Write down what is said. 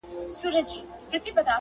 ما د خپل جانان د کوڅې لوری پېژندلی دی!!